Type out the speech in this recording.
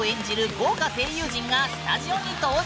豪華声優陣がスタジオに登場！